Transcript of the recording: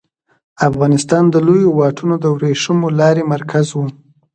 افغانستان د لویو واټونو د ورېښمو لارې مرکز و